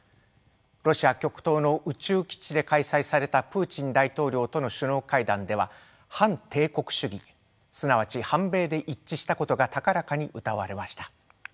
ロシア極東の宇宙基地で開催されたプーチン大統領との首脳会談では反帝国主義すなわち反米で一致したことが高らかにうたわれました。